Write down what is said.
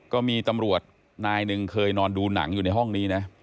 ก็มีตำรวจนายหนึ่งเคยนอนดูหนังอยู่ในห้องนี้นะ